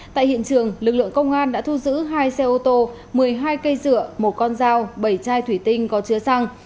tại hiện trường lực lượng công an đã thu giữ hai xe ô tô một mươi hai cây dựa một con dao bảy chai thủy tinh có chứa xăng